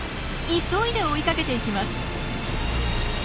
急いで追いかけていきます。